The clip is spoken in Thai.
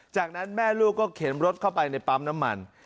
จากนั้นแม่ลูกก็เข็นรถเข้าไปในปั๊มน้ำมัน